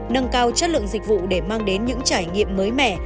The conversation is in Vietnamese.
nâng cao chất lượng dịch vụ để mang đến những trải nghiệm mới mẻ